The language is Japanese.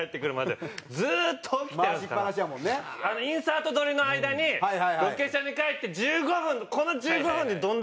インサート撮りの間にロケ車に帰って１５分。